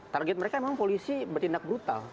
target mereka memang polisi bertindak brutal